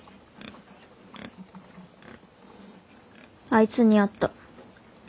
あいつに会った。